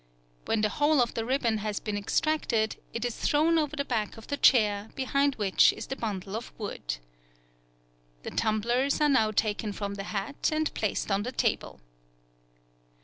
When the whole of the ribbon has been extracted, it is thrown over the back of the chair, behind which is the bundle of wood. The tumblers are now taken from the hat, and placed on the table.